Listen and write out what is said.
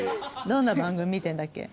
どんな番組見てんだっけ？